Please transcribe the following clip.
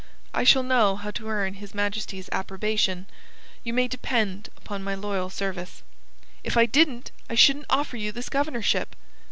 I shall know how to earn His Majesty's approbation. You may depend upon my loyal service. "If I didn't, I shouldn't offer you this governorship."